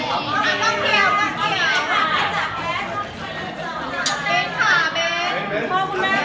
ขอบคุณแม่ก่อนต้องกลางนะครับ